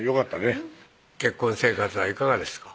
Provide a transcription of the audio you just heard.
結婚生活はいかがですか？